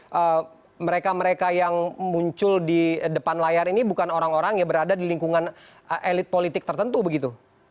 jadi mereka mereka yang muncul di depan layar ini bukan orang orang ya berada di lingkungan elit politik tertentu begitu